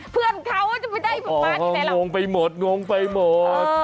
เพื่อนเขาจะไปได้ป๊าที่ไหนหรอกโอ้โฮงงไปหมด